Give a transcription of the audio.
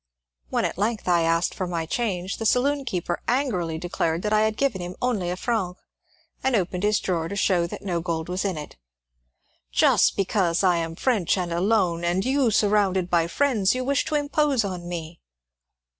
When at length I asked for my change the saloon keeper angrily declared I had given him only a franc, and opened his drawer to show that no gold was in it. '' Just be A REPENTANT SALOON KEEPER 231 cause I am French and alone, and you surrounded by friends, you wish to impose on me